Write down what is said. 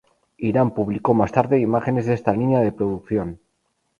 Irán publicó más tarde imágenes de esta línea de producción.